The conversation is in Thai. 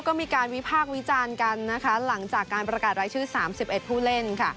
ก็มีการวิพากษ์วิจารณ์กันนะคะหลังจากการประกาศรายชื่อ๓๑ผู้เล่นค่ะ